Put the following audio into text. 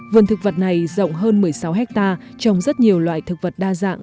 vườn thực vật này rộng hơn một mươi sáu hectare trồng rất nhiều loại thực vật đa dạng